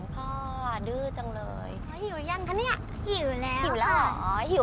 ไข่เจียว